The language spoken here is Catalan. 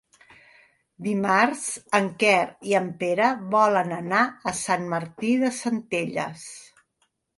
Dimarts en Quer i en Pere volen anar a Sant Martí de Centelles.